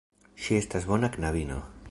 Ŝi estas bona knabino.